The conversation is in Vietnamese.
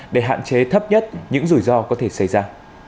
để hạn chế thấp nhất những rủi ro có thể xảy ra